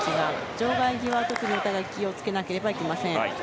場外際は、お互い気をつけなければいけません。